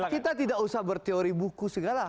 kita tidak usah berteori buku segala